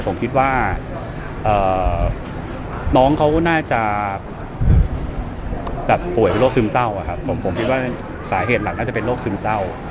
ผมคิดว่าน้องเค้าน่าจะป่วยโรคซึมเศร้าสาเหตุมันน่าจะเป็นโรคซึมเศร้า